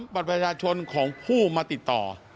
บัตรประชาชนของผู้มาติดต่อ